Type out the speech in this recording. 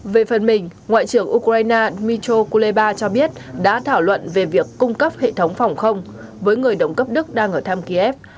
về phần mình ngoại trưởng ukraine dmitr kuleba cho biết đã thảo luận về việc cung cấp hệ thống phòng không với người đồng cấp đức đang ở thăm kiev